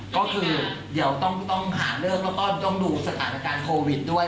ก็คือเดี๋ยวต้องหาเลิกแล้วก็ต้องดูสถานการณ์โควิดด้วย